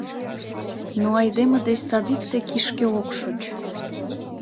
Но айдеме деч садикте кишке ок шоч.